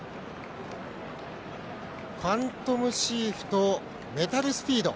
ファントムシーフとメタルスピード